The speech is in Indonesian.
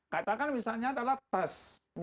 katakan misalnya adalah tas